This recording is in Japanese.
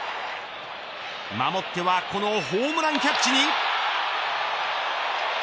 守ってはこのホームランキャッチに。